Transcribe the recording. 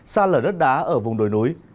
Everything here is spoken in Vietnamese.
xa lở đất đá ở vùng đồi núi